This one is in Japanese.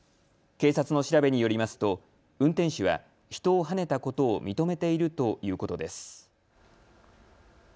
警察の調べによりますと運転手は人をはねたことを認めているということです。